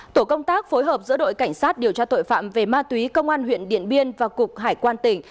tổ công tác phối hợp giữa đội cảnh sát điều tra tội phạm về ma túy công an huyện điện biên và cục hải quan tỉnh